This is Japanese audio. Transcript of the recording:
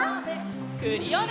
クリオネ！